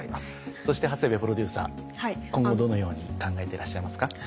そして長谷部プロデューサー今後どのように考えてらっしゃいますか？